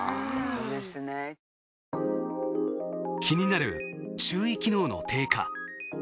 気になる注意機能の低下。